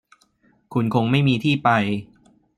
คุณคงไม่มีที่ไป